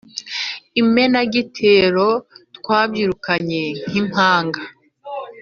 Imenagitero twabyirukanye nk’impanga